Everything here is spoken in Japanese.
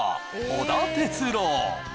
織田哲郎